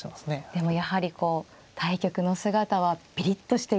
でもやはりこう対局の姿はピリッとしていて。